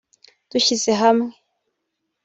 Dushyize hamwe